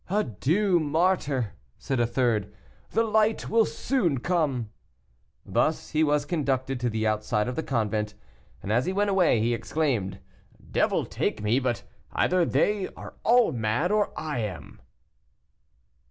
"Adieu, martyr," said a third, "the light will soon come." Thus was he conducted to the outside of the convent, and as he went away he exclaimed, "Devil take me, but either they are all mad, or I am."